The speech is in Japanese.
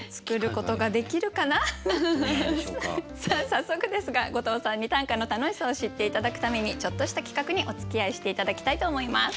早速ですが後藤さんに短歌の楽しさを知って頂くためにちょっとした企画におつきあいして頂きたいと思います。